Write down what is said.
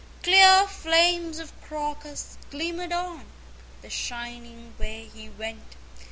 Clear flames of Crocus glimmered on The shining way he went.